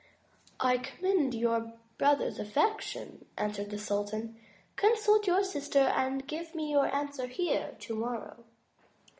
*'I commend your brotherly affection," answered the sultan. "Consult your sister, and give me your answer here tomorrow."